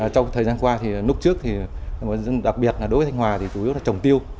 trong thời gian qua thì lúc trước thì đặc biệt là đối với thanh hòa thì chủ yếu là trồng tiêu